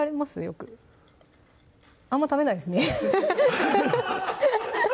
よくあんま食べないですね